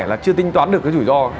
là chưa tinh toán được cái rủi ro